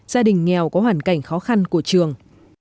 gia đình nghèo có hoàn cảnh khó khăn của trường